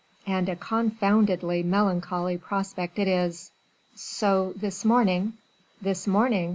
And a confoundedly melancholy prospect it is! So this morning " "This morning?"